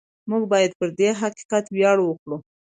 موږ باید پر دې حقیقت ویاړ وکړو.